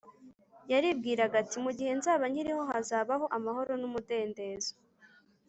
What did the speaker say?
Yaribwiraga ati «Mu gihe nzaba nkiriho hazabaho amahoro n’umudendezo.»